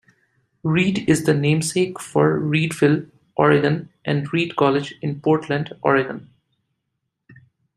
Reed is the namesake for Reedville, Oregon, and Reed College in Portland, Oregon.